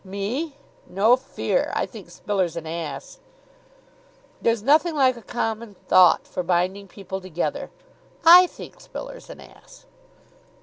"Me? No fear! I think Spiller's an ass." "There's nothing like a common thought for binding people together. I think Spiller's an ass."